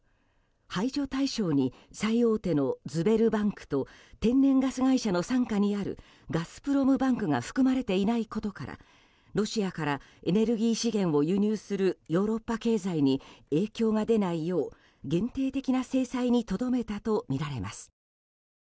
排除対象に最大手のズベルバンクと天然ガス会社の傘下にあるガスプロムバンクが含まれていないことからロシアからエネルギー資源を輸入するヨーロッパ経済に影響が出ないよう限定的な制裁にとどめたとみられます。